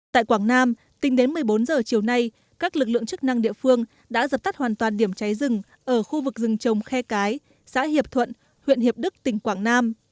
tại quảng nam tính đến một mươi bốn h chiều nay các lực lượng chức năng địa phương đã dập tắt hoàn toàn điểm cháy rừng ở khu vực rừng trồng khe cái xã hiệp thuận huyện hiệp đức tỉnh quảng nam